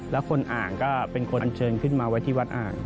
แล้วคนอ่างก็เป็นคนเชิญขึ้นมาไว้ที่วัดอ่าง